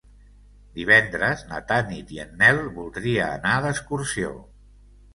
Divendres na Tanit i en Nel voldria anar d'excursió.